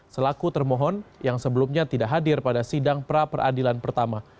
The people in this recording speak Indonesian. selaku termohon yang sebelumnya tidak hadir pada sidang pra peradilan pertama